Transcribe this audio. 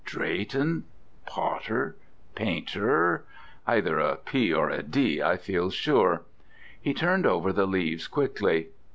Drayton? Potter? Painter either a P or a D, I feel sure." He turned over the leaves quickly.